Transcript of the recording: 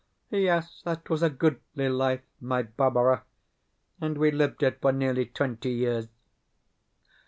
Yes, that was a goodly life, my Barbara, and we lived it for nearly twenty years....